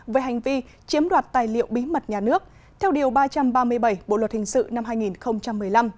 về hành vi chiếm đoạt tài liệu bí mật nhà nước theo điều ba trăm ba mươi bảy bộ luật hình sự năm hai nghìn một mươi năm